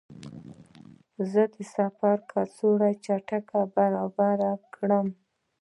زه د سفر کڅوړه چټکه برابره کړم.